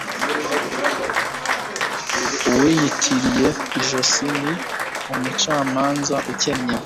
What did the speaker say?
Uwiyitiriye ijosi ni umucamanza ukennye.